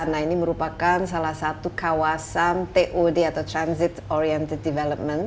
karena ini merupakan salah satu kawasan tod atau transit oriented development